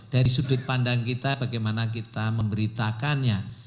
dari sudut pandang kita bagaimana kita memberitakannya